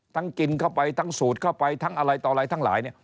กินเข้าไปทั้งสูดเข้าไปทั้งอะไรต่ออะไรทั้งหลายเนี่ย